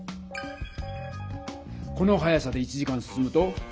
この速さで１時間進むと？